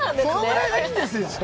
そのぐらいがいいんですよ。